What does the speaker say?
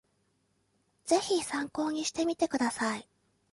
ぜひ参考にしてみてください